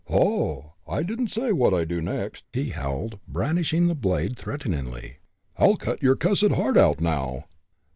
"Oho! I didn't say what I'd do next!" he howled, brandishing the blade, threateningly. "I'll cut your cussed heart out now."